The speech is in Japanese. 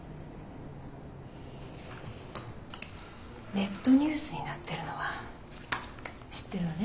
ネットニュースになってるのは知ってるわね？